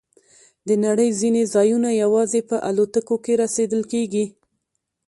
د نړۍ ځینې ځایونه یوازې په الوتکو کې رسیدل کېږي.